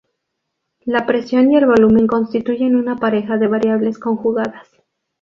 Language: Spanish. La presión y el volumen constituyen una pareja de variables conjugadas.